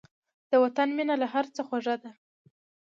د وطن مینه له هر څه خوږه ده.